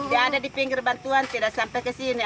dia ada di pinggir bantuan tidak sampai ke sini